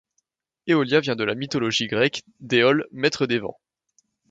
Éolia vient de la mythologie grecque, d'Éole, maître des Vents.